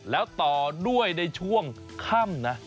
แล้วต่อด้วยในช่วงค่ำนะ